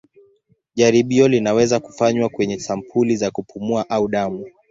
Jaribio linaweza kufanywa kwenye sampuli za kupumua au damu.